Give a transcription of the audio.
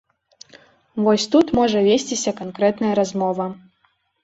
Вось тут можа весціся канкрэтная размова.